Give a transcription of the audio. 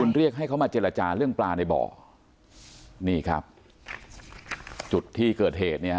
เรียกให้เขามาเจรจาเรื่องปลาในบ่อนี่ครับจุดที่เกิดเหตุเนี่ย